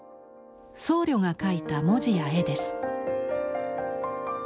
僧侶が書いた文字や絵です。